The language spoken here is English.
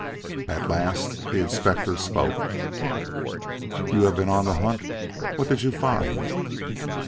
At last the Inspector spoke: "You have been on the hunt; what did you find?"